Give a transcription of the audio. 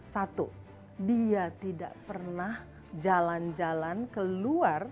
satu dia tidak pernah jalan jalan ke luar